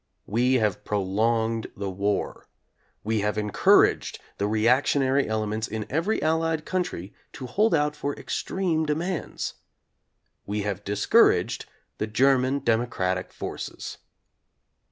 We have prolonged the war. We have encouraged the reactionary elements in every Allied country to hold out for extreme demands. We have dis couraged the German democratic forces.